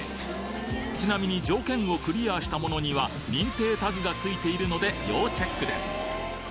ちなみに条件をクリアしたものには認定タグがついているので要チェックです！